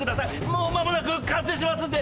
もう間もなく完成しますんで。